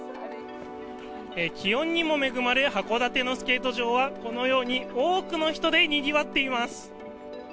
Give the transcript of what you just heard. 気温にも恵まれ函館のスケート場はこのように多くの人でにぎわっています。